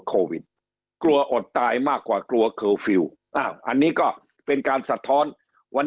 โควิดกลัวอดตายมากกว่ากลัวเคอร์ฟิลล์อ้าวอันนี้ก็เป็นการสะท้อนวัน